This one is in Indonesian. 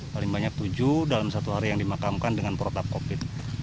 paling banyak tujuh dalam satu hari yang dimakamkan dengan protak covid sembilan belas